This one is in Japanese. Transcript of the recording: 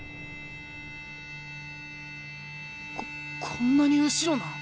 ここんなに後ろなん？